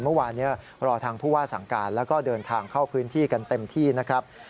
เมื่อวานนี้รอทางผู้ว่าสั่งการแล้วก็เดินทางเข้าพื้นที่กันเต็มที่นะครับ